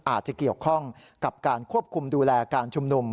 อาจจะเกี่ยวข้องกับการควบคุมดูแลการชุมนุม